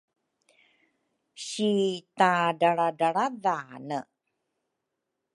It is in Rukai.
si tadralradralradhane